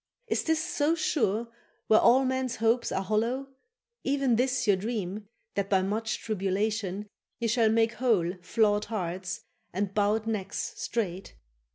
Is this so sure where all men's hopes are hollow, Even this your dream, that by much tribulation Ye shall make whole flawed hearts, and bowed necks straight?